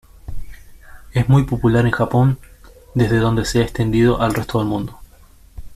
Es muy popular en Japón, desde donde se ha extendido al resto del mundo.